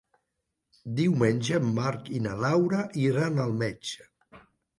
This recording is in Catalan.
Diumenge en Marc i na Laura iran al metge.